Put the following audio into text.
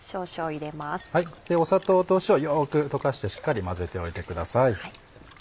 砂糖と塩よく溶かしてしっかり混ぜておいてください。